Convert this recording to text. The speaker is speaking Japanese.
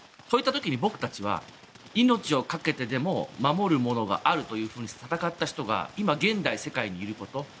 そういった時に僕たちは命をかけてでも守るものがあるというふうに戦った人が今、現代の世界にいること。